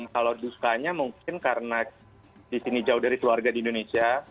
kalau dukanya mungkin karena di sini jauh dari keluarga di indonesia